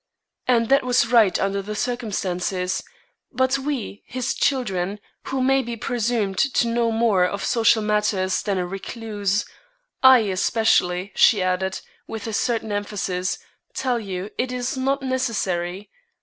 "And that was right under the circumstances; but we, his children, who may be presumed to know more of social matters than a recluse, I, especially," she added, with a certain emphasis, "tell you it is not necessary.